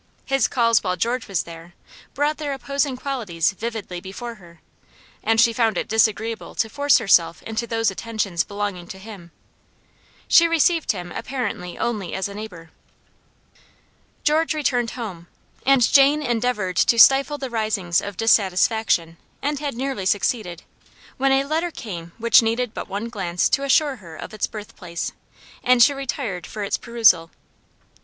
His calls while George was there, brought their opposing qualities vividly before her, and she found it disagreeable to force herself into those attentions belonging to him. She received him apparently only as a neighbor. George returned home, and Jane endeavored to stifle the risings of dissatisfaction, and had nearly succeeded, when a letter came which needed but one glance to assure her of its birthplace; and she retired for its perusal.